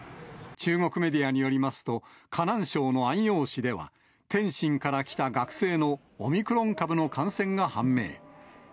中国メディアによりますと、河南省の安陽市では、天津から来た学生のオミクロン株の感染が判明。